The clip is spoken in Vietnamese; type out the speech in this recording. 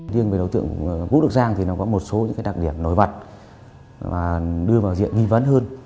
riêng về đối tượng vũ đức giang thì nó có một số những đặc điểm nổi bật và đưa vào diện nghi vấn hơn